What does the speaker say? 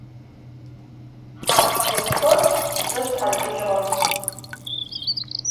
Hakhu - şşıkhuxer se sthaç'ıjığex.